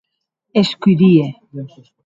Escurie.